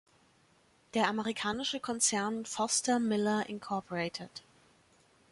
Der amerikanische Konzern Foster-Miller Inc.